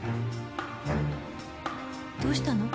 どうしたの？